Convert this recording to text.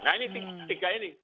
nah ini tiga ini